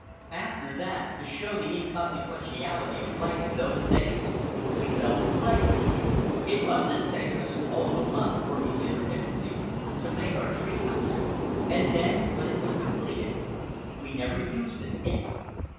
After that, to show the inconsequentiality of life in those days, we fell to playing. It must have taken us all of a month, working intermittently, to make our tree house; and then, when it was completed, we never used it again.